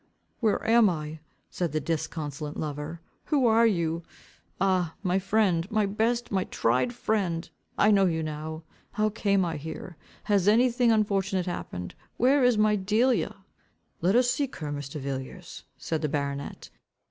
"Where am I?" said the disconsolate lover. "Who are you? ah, my friend, my best, my tried friend! I know you now. How came I here? Has any thing unfortunate happened? Where is my Delia?" "Let us seek her, my Villiers," said the baronet.